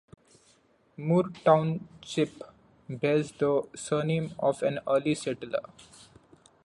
Moore Township bears the surname of an early settler.